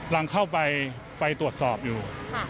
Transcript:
ยังเข้าไปตรวจสอบอยู่